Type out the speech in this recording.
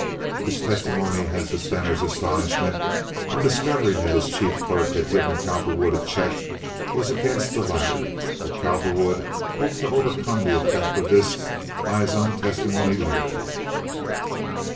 His testimony as to Stener's astonishment on discovering that his chief clerk had given Cowperwood a check was against the latter; but Cowperwood hoped to overcome the effect of this by his own testimony later.